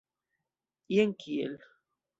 Jen kiel.